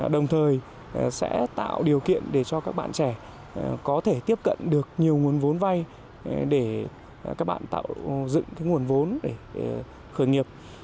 đồng thời sẽ tạo điều kiện để cho các bạn trẻ có thể tiếp cận được nhiều nguồn vốn vay để các bạn tạo dựng nguồn vốn để khởi nghiệp